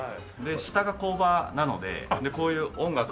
下が工場なのでこういう音楽も鳴らすので。